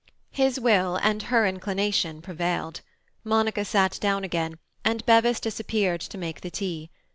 His will, and her inclination, prevailed. Monica sat down again, and Bevis disappeared to make the tea.